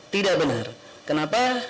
tidak benar kenapa